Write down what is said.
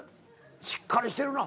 しっかりしてるな。